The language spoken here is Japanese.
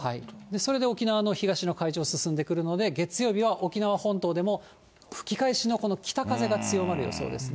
それで沖縄の東の海上進んでくるので、月曜日は沖縄本島でも、吹き返しのこの北風が強まる予想ですね。